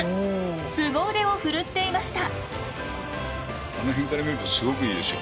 スゴ腕を振るっていました。